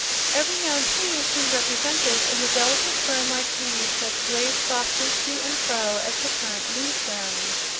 Every known hue seemed represented in the delicate, fern like leaves that swayed softly to and fro as the current moved them.